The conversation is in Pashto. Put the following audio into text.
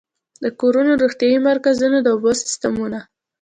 د کورونو، روغتيايي مرکزونو، د اوبو سيستمونو